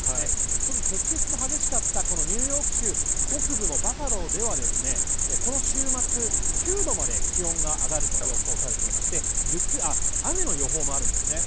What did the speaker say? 特に積雪の激しかったこのニューヨーク州北部のバファローではこの週末、９度まで気温が上がると予想されていまして雨の予報もあるんですね。